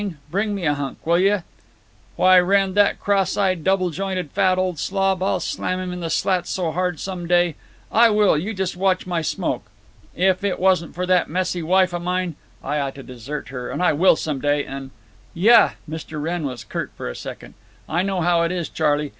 Bring me a hunk, will yuh?) Why, Wrenn, that cross eyed double jointed fat old slob, I'll slam him in the slats so hard some day—I will, you just watch my smoke. If it wasn't for that messy wife of mine—I ought to desert her, and I will some day, and—" "Yuh." Mr. Wrenn was curt for a second…. "I know how it is, Charley.